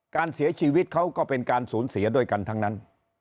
การเสียชีวิตเขาก็เป็นการสูญเสียด้วยกันทั้งนั้น